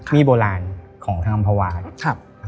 มีดโบราณของทางอำพาวาด